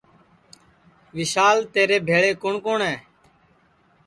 وشال تیرے بھیݪے کُوٹؔ کُوٹؔ ہے